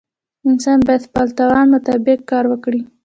انسان باید د خپل توان مطابق کار وکړي.